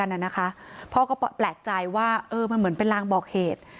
แต่มันถือปืนมันไม่รู้นะแต่ตอนหลังมันจะยิงอะไรหรือเปล่าเราก็ไม่รู้นะ